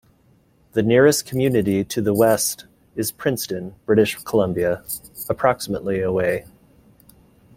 The nearest community to the west is Princeton, British Columbia, approximately away.